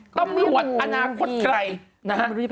ตำรวจอนาคตใคร